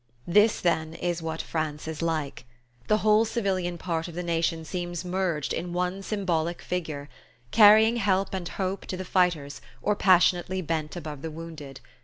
This, then, is what "France is like." The whole civilian part of the nation seems merged in one symbolic figure, carrying help and hope to the fighters or passionately bent above the wounded.